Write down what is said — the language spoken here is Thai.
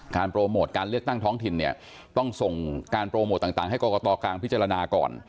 โปรโมทการเลือกตั้งท้องถิ่นเนี่ยต้องส่งการโปรโมทต่างให้กรกตกลางพิจารณาก่อน